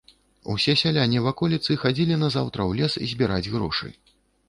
Усе сяляне ваколіцы хадзілі назаўтра ў лес збіраць грошы.